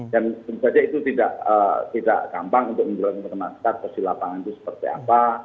dan itu tidak gampang untuk menjelaskan posisi lapangannya seperti apa